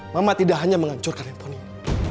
mama tidak hanya menghancurkan handphone ini